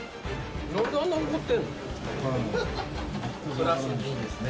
プラス２ですね。